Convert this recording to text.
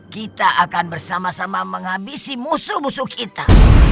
kita akan bersama sama menghabisi musuh musuh kita